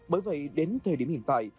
bởi vậy đến thời điểm hiện tại